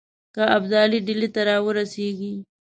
که ابدالي ډهلي ته را ورسیږي.